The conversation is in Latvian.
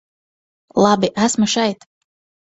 Labi, esmu šeit.